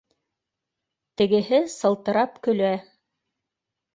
Тегеһе сылтырап көлә: